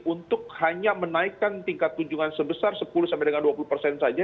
untuk hanya menaikkan tingkat kunjungan sebesar sepuluh dua puluh saja